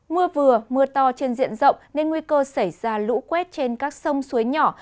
mưa vừa mưa to trên diện rộng nên nguy cơ xảy ra lũ quét trên các sông suối nhỏ